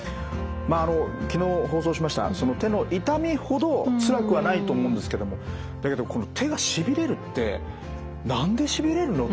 まああの昨日放送しましたその手の痛みほどつらくはないと思うんですけどもだけどこの手がしびれるって何でしびれるの？